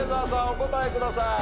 お答えください。